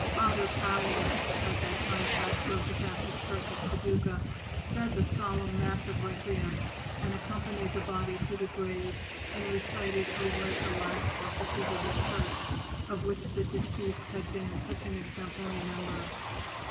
Father Powers, at that time pastor of the Catholic Church at Paducah, said the Solemn Mass of Requiem and accompanied the body to the grave and recited over it the last offices of the Church, of which the deceased had been such an exemplary member.